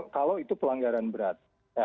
kalau itu pelanggaran berat